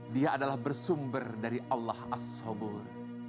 dia adalah bersumber dari allah as sobur